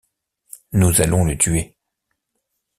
Nous allons le tuer.